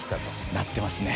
なってますね。